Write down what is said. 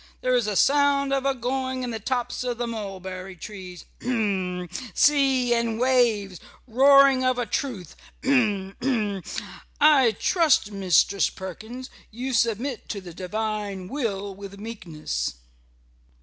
There is a sound of a going in the tops of the mulberry trees h m! Sea and waves roaring of a truth h m! h m! I trust, Mistress Perkins, you submit to the Divine Will with meekness."